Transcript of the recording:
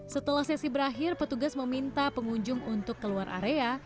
setelah sesi berakhir petugas meminta pengunjung untuk keluar area